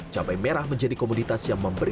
cabai merah menjadi komunitas yang terkenal